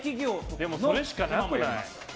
でも、それしかなくない？